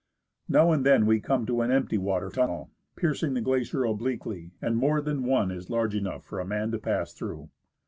Now and then we come to an empty water tunnel, piercing the glacier obliquely, and more than one is large enough for a man to pass through.